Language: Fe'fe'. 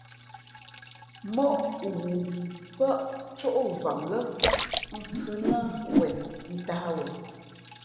Móʼ ghoo pάʼ cóʼvam lά mfhʉ̄ nά wen ntāh wen.